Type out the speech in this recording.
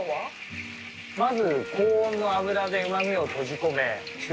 まず高温の油でうま味を閉じ込め中